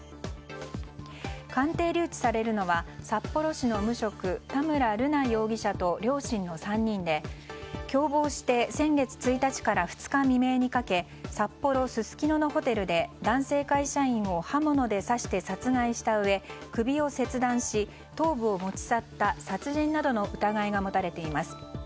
鑑定留置されるのは札幌市の無職田村瑠奈容疑者と両親の３人で共謀して先月１日から２日未明にかけ札幌・すすきののホテルで男性会社員を刃物で刺して殺害したうえ首を切断し頭部を持ち去った殺人などの疑いが持たれています。